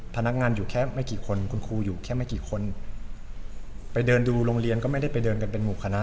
พนักงานอยู่แค่ไม่กี่คนคุณครูอยู่แค่ไม่กี่คนไปเดินดูโรงเรียนก็ไม่ได้ไปเดินกันเป็นหมู่คณะ